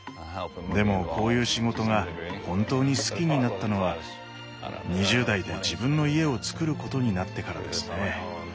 でもこういう仕事が本当に好きになったのは２０代で自分の家をつくることになってからですね。